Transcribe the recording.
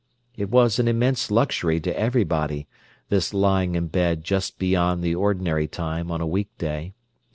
It was an immense luxury to everybody, this lying in bed just beyond the ordinary time on a weekday.